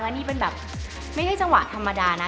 แล้วนี่เป็นแบบไม่ได้จังหวะธรรมดานะ